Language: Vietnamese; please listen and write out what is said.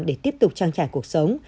để tiếp tục trang trải cuộc sống